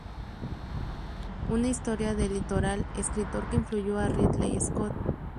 Una historia del litoral"", escritor que influyó a Ridley Scott.